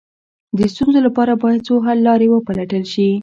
د ستونزو لپاره باید څو حل لارې وپلټل شي.